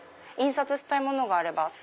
印刷したいものがあれば。